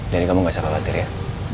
jadi kamu gak usah khawatir ya